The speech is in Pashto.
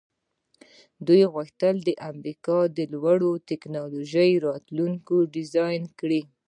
دوی غوښتل د امریکا د لوړې ټیکنالوژۍ راتلونکی ډیزاین کړي